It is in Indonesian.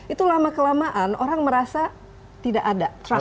itu lama kelamaan orang merasa tidak ada trust